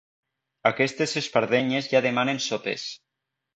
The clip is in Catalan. Aquestes espardenyes ja demanen sopes.